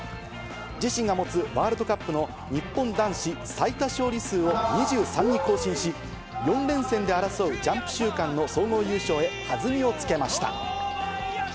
自身が持つワールドカップの日本男子最多勝利数を２３に更新し、４連戦で争うジャンプ週間の総合優勝へ弾みをつけました。